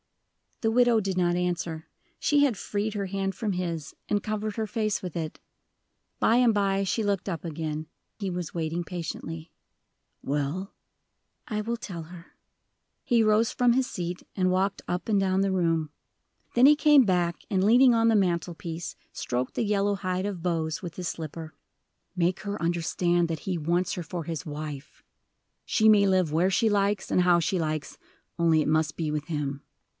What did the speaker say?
The widow did not answer. She had freed her hand from his, and covered her face with it. By and by she looked up again he was waiting patiently. "Well?" "I will tell her." He rose from his seat, and walked up and down the room. Then he came back, and leaning on the mantel piece, stroked the yellow hide of Bose with his slipper. "Make her quite understand that he wants her for his wife. She may live where she likes and how she likes, only it must be with him."